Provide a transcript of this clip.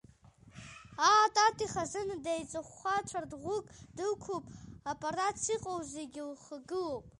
Аа, Тати хазына, деиҵыхәхәа цәардӷәык дықәуп, аппаратс иҟоу зегьы лхагылоуп.